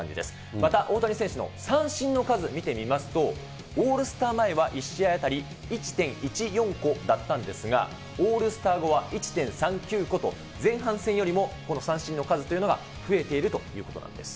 また大谷選手の三振の数、見てみますと、オールスター前は１試合当たり１．１４個だったんですが、オールスター後は１．３９個と、前半戦よりも、この三振の数というのが増えているということなんです。